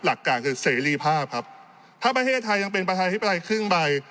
หลักการคือเสรีภาพครับถ้าประเทศไทยยังเป็นประชาธิปไตยครึ่งใบ